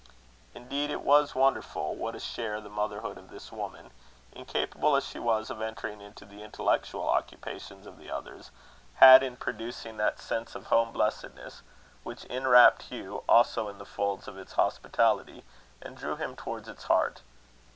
Indeed it was wonderful what a share the motherhood of this woman, incapable as she was of entering into the intellectual occupations of the others, had in producing that sense of home blessedness, which inwrapt Hugh also in the folds of its hospitality, and drew him towards its heart.